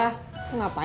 lagi pengajian bang